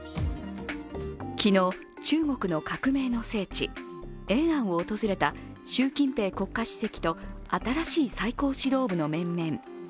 昨日、中国の革命の聖地延安を訪れた習近平国家主席と新しい最高指導部の面々。